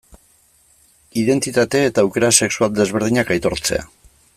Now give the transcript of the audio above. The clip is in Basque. Identitate eta aukera sexual desberdinak aitortzea.